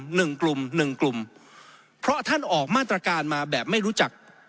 หนึ่งกลุ่มหนึ่งกลุ่มเพราะท่านออกมาตรการมาแบบไม่รู้จัก